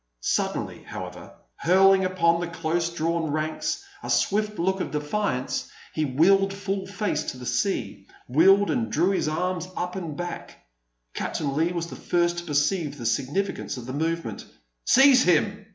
Suddenly, however, hurling upon the close drawn ranks a swift look of defiance, he wheeled full face to the sea; wheeled, and drew his arms up and back. Captain Leigh was the first to perceive the significance of the movement. "Seize him!"